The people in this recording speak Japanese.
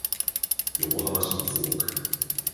横浜市磯子区